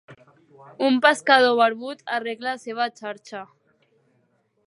Un pescador barbut arregla la seva xarxa.